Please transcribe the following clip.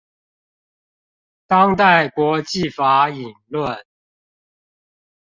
當代國際法引論